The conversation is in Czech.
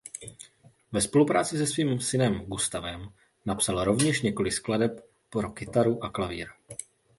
Ve spolupráci se svým synem Gustavem napsal rovněž několik skladeb pro kytaru a klavír.